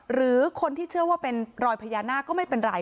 หรือคนที่เชื่อว่าเป็นรอยพญานาคก็ไม่เป็นไร